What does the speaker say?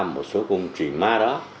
một số công trình ma đó